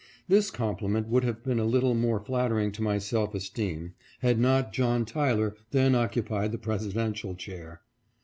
This compliment would have been a little more flattering to my self esteem had not John Tyler then occupied the Presidential chair.